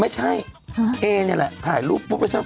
ไม่ใช่พี่เอเนี่ยแหละต่างให้รูปนับสร้าง